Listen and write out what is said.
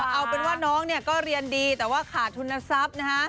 เอาเป็นว่าน้องเนี่ยก็เรียนดีแต่ว่าขาดทุนทรัพย์นะฮะ